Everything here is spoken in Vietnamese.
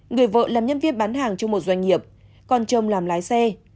người vợ làm nhân viên bán hàng trong một doanh nghiệp con chồng làm lái xe